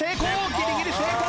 ギリギリ成功！